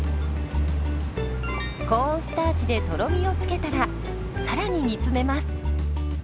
コーンスターチでとろみを付けたらさらに煮詰めます。